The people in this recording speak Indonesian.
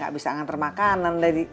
gak bisa ngantar makanan